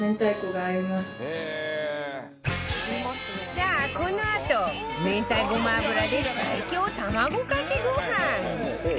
さあこのあと明太ごま油で最強卵かけご飯